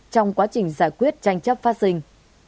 trong quá trình giải quyết tranh chấp phát sinh